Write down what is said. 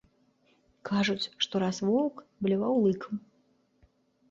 Кажуць, што раз воўк бляваў лыкам.